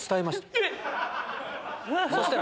えっ！